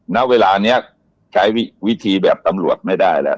ณเวลานี้ใช้วิธีแบบตำรวจไม่ได้แล้ว